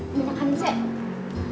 minyakkan ini cek